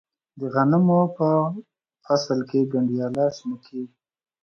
د غنمو په فصل کې گنډیاله شنه کیږي.